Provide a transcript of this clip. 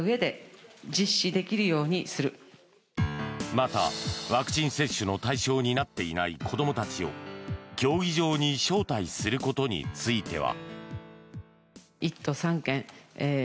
また、ワクチン接種の対象になっていない子どもたちを競技場に招待することについては。